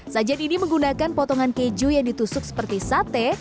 sajian ini menggunakan potongan keju yang ditusuk seperti sate